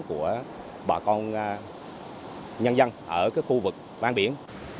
của bà con nhân dân ở khu vực ban biển